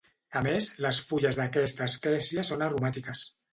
A més, les fulles d'aquesta espècie són aromàtiques.